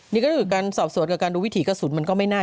นี่ก็คือการสอบสวนกับการดูวิถีกระสุนมันก็ไม่น่า